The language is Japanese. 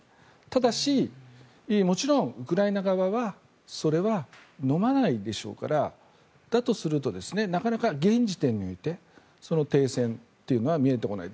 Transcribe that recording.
ただし、もちろんウクライナ側はそれはのまないでしょうからだとするとなかなか現時点において停戦というのは見えてこない。